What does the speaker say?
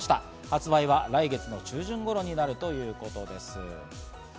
発売は来月中旬頃になるということです。